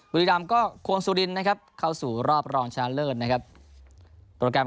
บุรีรามก็ควงสุดินนะครับเข้าสู่รอบรองนะครับโปรแกรม